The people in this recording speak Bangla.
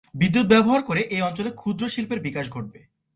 বিদ্যুৎ ব্যবহার করে এ অঞ্চলে ক্ষুদ্র শিল্পের বিকাশ ঘটবে।